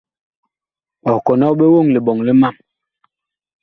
Ɔh kɔnɔg ɓe woŋ liɓɔŋ li mam.